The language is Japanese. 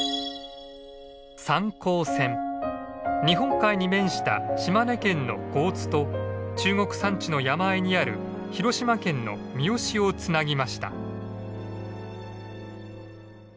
日本海に面した島根県の江津と中国山地の山あいにある広島県の三次をつなぎました。